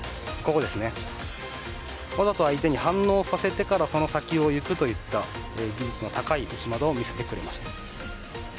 わざと相手に反応させてからその先をいくといった技術の高い内股を見せてくれました。